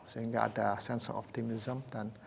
sehingga ada sense of optimism dan